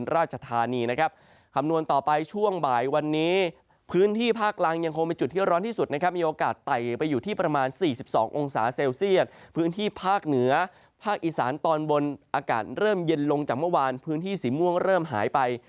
เริ่มเย็นลงจากเมื่อวานพื้นที่สีม่วงเริ่มหายไป